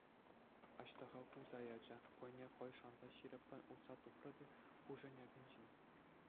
Аҫтаха кулса ячӗ, хӑйне хӑй шанса ҫирӗппӗн утса тухрӗ ту хушӑкӗнчен.